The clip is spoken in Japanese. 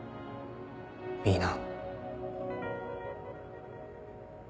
いいな？